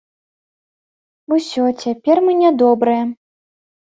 Усё, цяпер мы нядобрыя.